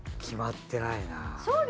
決まってないな。